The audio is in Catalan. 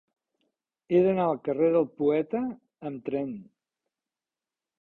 He d'anar al carrer del Poeta amb tren.